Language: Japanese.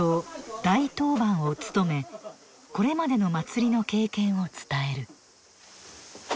「大当番」を務めこれまでの祭りの経験を伝える。